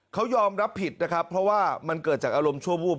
เขายอมรับผิดนะครับเพราะว่ามันเกิดจากอารมณ์ชั่ววูบ